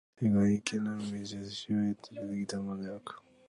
それがいかなる道筋を経て出来てきたものであるか、